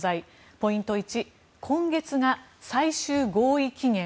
ポイント１今月が最終合意期限。